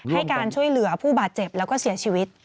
ให้การช่วยเหลือผู้บาดเจ็บแล้วก็เสียชีวิต